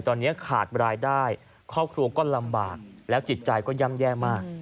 ตอนนี้ขาดรายได้ครอบครัวก็ลำบากแล้วจิตใจก็ย่ำแย่มาก